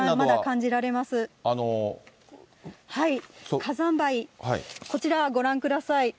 火山灰、こちらご覧ください。